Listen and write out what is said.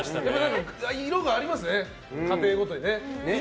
色がありますね、家庭ごとに。